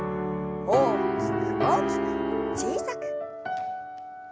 大きく大きく小さく。